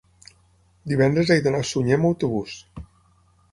divendres he d'anar a Sunyer amb autobús.